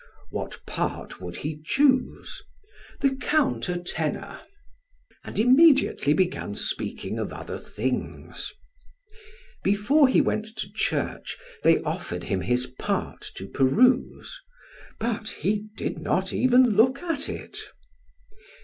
"What part would he chose?" "The counter tenor:" and immediately began speaking of other things. Before he went to church they offered him his part to peruse, but he did not even look at it.